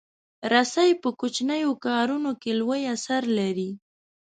رسۍ په کوچنیو کارونو کې لوی اثر لري.